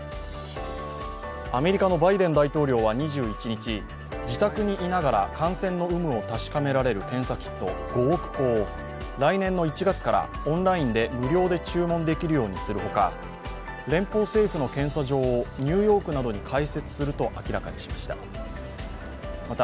アメリカのバイデン大統領は２１日、自宅にいながら感染の有無を確かめられる検査キット５億個を来年１月からオンラインで無料で注文できるようにするほか、連邦政府の検査場をニューヨークなどに開設すると明らかにしました。